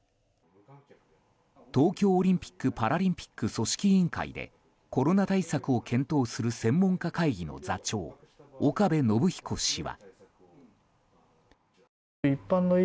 東京オリンピック・パラリンピック組織委員会でコロナ対策を検討する専門家会議の座長岡部信彦氏は。